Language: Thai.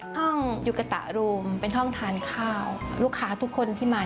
ห้องยูกะตัรูมเป็นห้องการทานข้าว